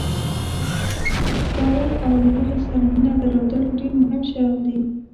باور او له هغه سره مینه درلودل ډېر مهم شیان دي.